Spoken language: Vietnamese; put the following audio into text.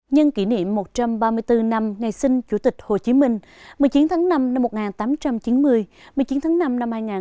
nhân kỷ niệm một trăm ba mươi bốn năm ngày sinh chủ tịch hồ chí minh một mươi chín tháng năm năm một nghìn tám trăm chín mươi một mươi chín tháng năm năm hai nghìn hai mươi bốn